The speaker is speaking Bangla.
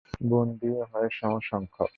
বন্দিও হয় সমসংখ্যক।